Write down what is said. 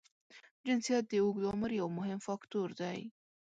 جنسیت د اوږد عمر یو مهم فاکټور دی.